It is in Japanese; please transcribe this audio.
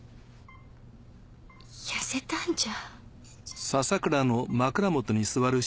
やせたんじゃ。